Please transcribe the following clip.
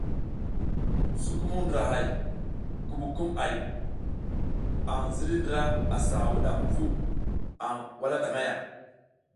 Sukumung ndrahay, ngubukumʼay a ziriy ndra asa wudam vu a wala tang ya.